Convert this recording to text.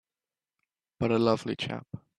But a lovely chap!